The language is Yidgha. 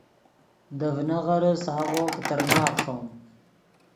دے ڤینغیرے ساغو پیترناغ ݰوم